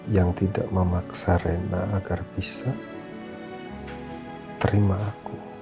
yang tidak memaksa rena agar bisa terima aku